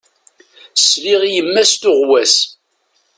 Sliɣ i yemma-s tuɣwas.